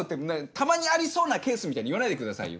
たまにありそうなケースみたいに言わないでくださいよ。